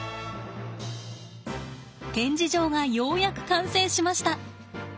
展示場がようやく完成しました。